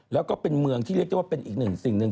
แล้วก็เป็นเมืองที่เรียกได้ว่าเป็นอีกหนึ่งสิ่งหนึ่ง